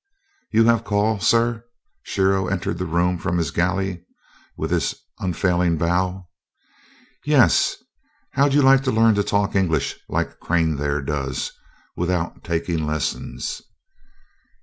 "You have call, sir?" Shiro entered the room from his galley, with his unfailing bow. "Yes. How'd you like to learn to talk English like Crane there does without taking lessons?"